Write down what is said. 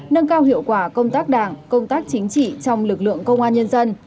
nâng cao hiệu quả công tác đảng công tác chính trị trong lực lượng công an nhân dân